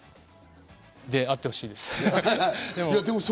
で、あってほしいです。